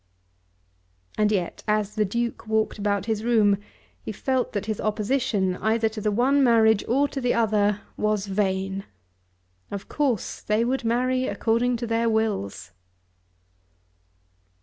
And yet as the Duke walked about his room he felt that his opposition either to the one marriage or to the other was vain. Of course they would marry according to their wills.